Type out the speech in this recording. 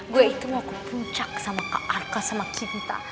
gue itu mau ke puncak sama arka sama cinta